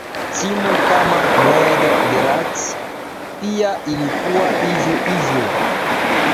timu kama red berates pia ilikuwa hivyo hivyo